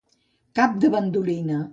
Cap de bandolina.